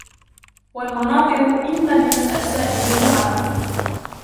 وَالْمَنَاظِرُ إنْ لَمْ يَسْأَلْ سَائِلٌ يُعْرَفُ